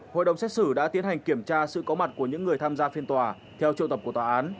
điều này kiểm tra sự có mặt của những người tham gia phiên tòa theo triệu tập của tòa án